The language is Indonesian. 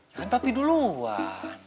jangan papi duluan